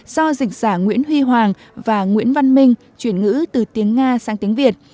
do dịch giả nguyễn huy hoàng và nguyễn văn minh chuyển ngữ từ tiếng nga sang tiếng việt